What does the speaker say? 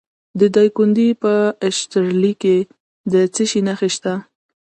د دایکنډي په اشترلي کې د څه شي نښې دي؟